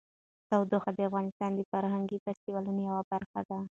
تودوخه د افغانستان د فرهنګي فستیوالونو یوه برخه ده.